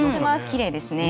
きれいですね。